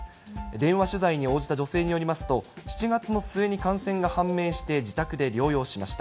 電話取材に応じた女性によりますと、７月の末に感染が判明して自宅で療養しました。